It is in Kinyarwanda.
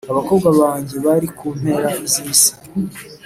abakobwa banjye bari ku mpera z’isi,